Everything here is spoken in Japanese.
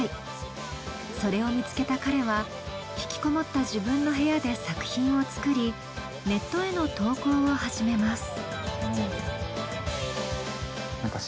それを見つけた彼は引きこもった自分の部屋で作品を作りネットへの投稿を始めます。